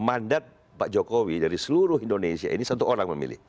mandat pak jokowi dari seluruh indonesia ini satu orang memilih